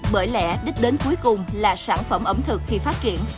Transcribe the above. bởi lẽ đích đến cuối cùng là sản phẩm ẩm thực khi phát triển